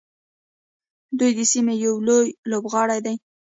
دوی د سیمې یو لوی لوبغاړی دی.